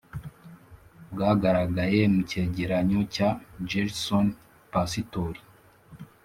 bwagaragaye mu cyegeranyo cya gersony. pasitori